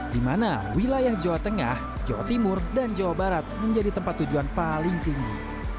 di mana wilayah jawa tengah jawa timur dan jawa barat menjadi tempat tujuan paling tinggi